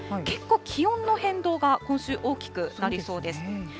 結構気温の変動が今週、大きくなりそうです。